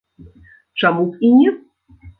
Чаму б і не?